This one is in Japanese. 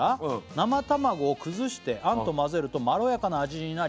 「生卵を崩してあんと混ぜるとまろやかな味になり」